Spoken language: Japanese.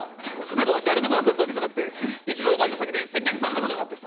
でも誰でもよかったわけじゃなくて一度、バイトで接客されたことがあって。